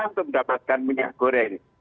untuk mendapatkan minyak goreng